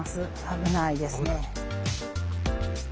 危ないですね。